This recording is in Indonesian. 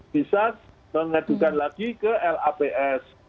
bisa mengadukan lagi ke laps